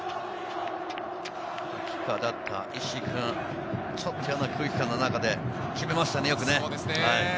キッカーの石井君、ちょっと嫌な空気感の中で決めましたね。